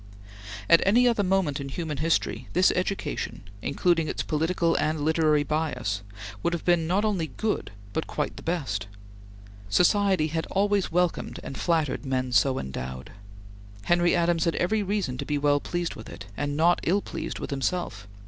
At any other moment in human history, this education, including its political and literary bias, would have been not only good, but quite the best. Society had always welcomed and flattered men so endowed. Henry Adams had every reason to be well pleased with it, and not ill pleased with himself.